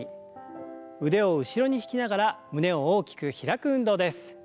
腕を後ろに引きながら胸を大きく開く運動です。